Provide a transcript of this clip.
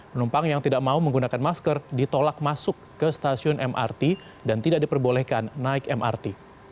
penumpang yang tidak mau menggunakan masker ditolak masuk ke stasiun mrt dan tidak diperbolehkan naik mrt